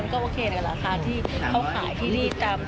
เนี่ยก็ยังมีกำไรอยู่เหรอมีค่ะ